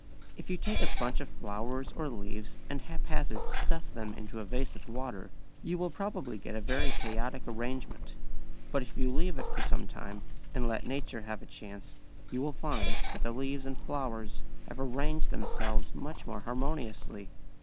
If you take a bunch of flowers or leaves and haphazard stuff them into a vase of water, you will probably get a very chaotic arrangement. But if you leave it for some time and let nature have a chance you will find that the leaves and flowers have arranged themselves much more harmoniously.